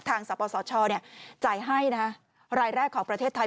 สปสชจ่ายให้รายแรกของประเทศไทย